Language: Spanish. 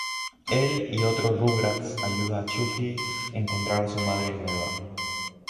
Él y el otro Rugrats ayuda Chuckie encontrar su madre nueva.